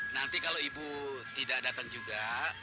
nanti kalau ibu tidak datang juga